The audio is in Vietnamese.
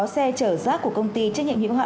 xe chở rác của công ty trách nhiệm hiệu hạn